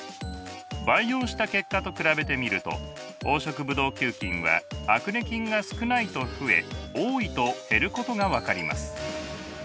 培養した結果と比べてみると黄色ブドウ球菌はアクネ菌が少ないと増え多いと減ることが分かります。